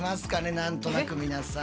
何となく皆さん。